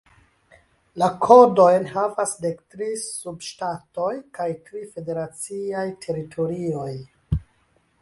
La kodojn havas dek tri subŝtatoj kaj tri federaciaj teritorioj.